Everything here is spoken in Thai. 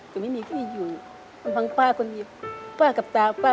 ขอบคุณครับ